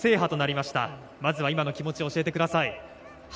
まずは今の気持ちを教えてください。